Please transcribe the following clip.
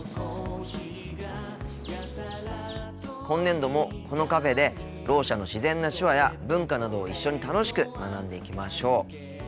今年度もこのカフェでろう者の自然な手話や文化などを一緒に楽しく学んでいきましょう。